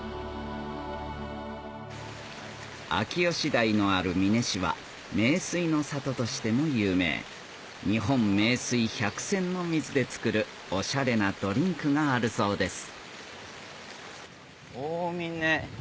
秋吉台のある美祢市は名水の里としても有名日本名水百選の水で作るオシャレなドリンクがあるそうです